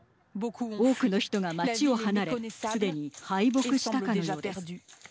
多くの人が街を離れすでに敗北したかのようです。